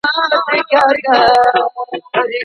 ارتباطي مهارتونه په ښوونه کي خورا مهم دي.